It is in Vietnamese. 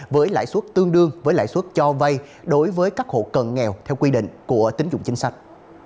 với lãi suất tương đương với lãi suất cho vay đối với các hộ cần nghèo theo quy định của tính dụng chính sách